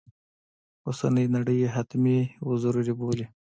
اوسنی نړی یې حتمي و ضروري بولي.